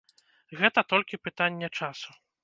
Гэта толькі пытанне часу.